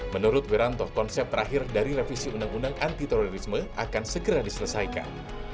menurut wiranto konsep terakhir dari revisi undang undang anti terorisme akan segera diselesaikan